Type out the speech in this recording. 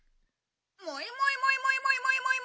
モイモイモイモイモイモイ。